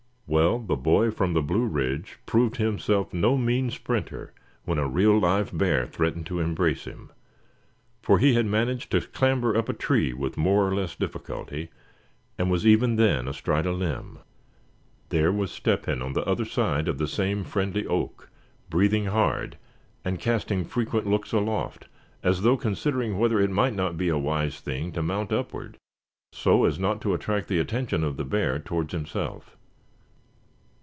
Well, the boy from the Blue ridge proved himself no mean sprinter when a real live bear threatened to embrace him; for he had managed to clamber up a tree with more or less difficulty, and was even then astride a limb. There was Step hen on the other side of the same friendly oak, breathing hard, and casting frequent looks aloft, as though considering whether it might not be a wise thing to mount upward, so as not to attract the attention of the bear towards himself.